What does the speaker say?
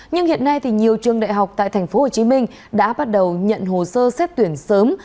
nhưng hiện nay nhiều trường đại học tại tp hcm đã bắt đầu nhận hồ sơ xét tuyển sớm